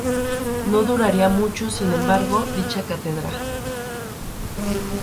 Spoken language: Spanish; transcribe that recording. No duraría mucho, sin embargo, dicha cátedra.